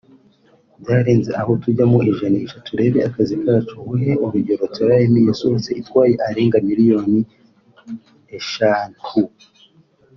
Byarenze aho tujya mu ijanisha tureba akazi kacu nkuhe urugero ’Try me’ yasohotse itwaye arenga miliyoni eshantu